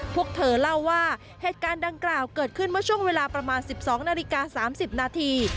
พวกเธอเล่าว่าเหตุการณ์ดังกล่าวเกิดขึ้นเมื่อช่วงเวลาประมาณ๑๒นาฬิกา๓๐นาที